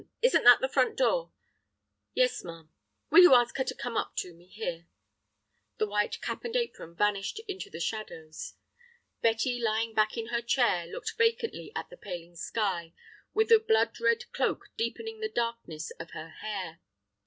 Isn't that the front door?" "Yes, ma'am." "Will you ask her to come to me here?" The white cap and apron vanished into the shadows. Betty, lying back in her chair, looked vacantly at the paling sky, with the blood red cloak deepening the darkness of her hair.